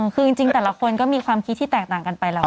คือจริงแต่ละคนก็มีความคิดที่แตกต่างกันไปแล้ว